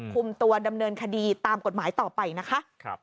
คุมตัวดำเนินคดีตามกฎหมายต่อไปนะคะ